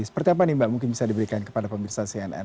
seperti apa nih mbak mungkin bisa diberikan kepada pemirsa cnn